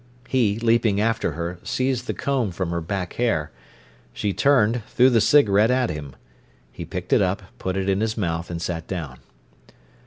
He, leaping after her, seized the comb from her back hair. She turned, threw the cigarette at him. He picked it up, put it in his mouth, and sat down.